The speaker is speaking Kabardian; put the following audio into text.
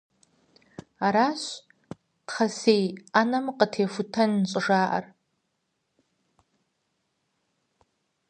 Аращ «кхъэсей Ӏэнэм къытехутэн» щӀыжаӀэр.